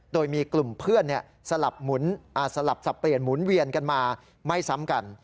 โดยมีกลุ่มเพื่อนสลับสับเปลี่ยนหมุนเวียนกันมาไม่ซ้ำกัน